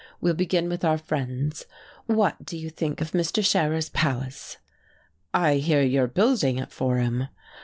We'll begin with our friends. What do you think of Mr. Scherer's palace?" "I hear you're building it for him."